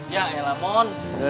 ya ya lah mon